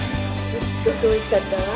すっごくおいしかったわ。